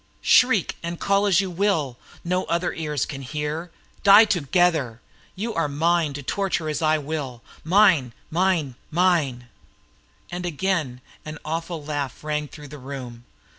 Shriek and call as you will, no other ears can hear. Die together. You are mine to torture as I will; mine, mine, mine!" and again an awful laugh rang through the room.